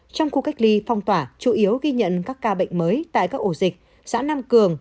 trong khu cách ly phong tỏa chủ yếu ghi nhận các ca bệnh mới tại các ổ dịch xã nam cường